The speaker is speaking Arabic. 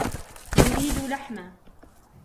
يريد لحما.